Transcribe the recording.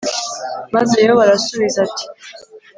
maze yobu arasubiza ati